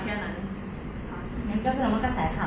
คุณเจ้าสนมันกระแสค่ะ